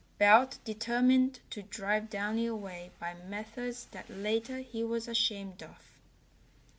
Belt determined to drive Downy away by methods that later he was ashamed of.